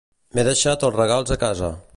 M'he deixat els regals a casa.